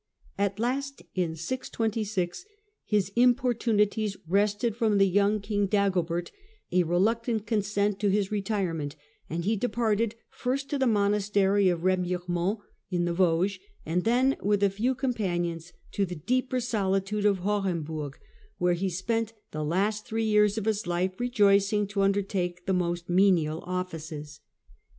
At last, in 626, his importunities wrested from the young King Dagobert a reluctant consent to his retire ment, and he departed, first to the monastery of Ee miremont, in the Vosges, and then, with a few com panions, to the deeper solitude of Horemburg, where he spent the last three years of his life, rejoicing to under take the most menial offices.